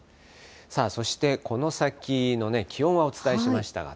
さあ、そしてこの先の気温はお伝えしましたが、